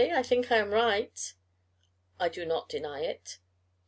I think I am right?" "I do not deny it."